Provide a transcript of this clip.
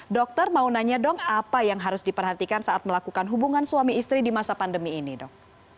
dokter mau nanya dong apa yang harus diperhatikan saat melakukan hubungan suami istri di masa pandemi ini dok